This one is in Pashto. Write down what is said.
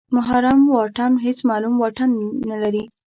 محرم واټن هېڅ معلوم واټن نلري.